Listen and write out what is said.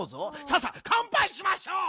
さあさかんぱいしましょう！